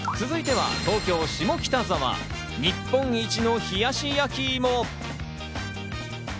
続いては東京・下北沢、日本一の冷やし焼きいも。